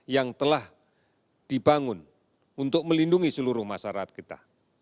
yang telah dibangun untuk melindungi seluruh masyarakat kita